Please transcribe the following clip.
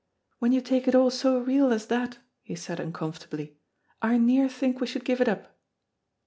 "When you take it a' so real as that," he said, uncomfortably "I near think we should give it up."